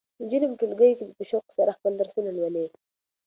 نجونې په ټولګیو کې په شوق سره خپل درسونه لولي.